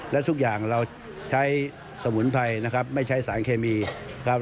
และทุกอย่างเราใช้สมุนไพรนะครับไม่ใช้สารเคมีครับ